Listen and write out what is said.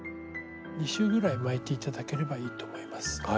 ２周ぐらい巻いて頂ければいいと思います。